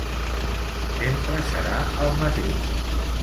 Sempre serà el mateix.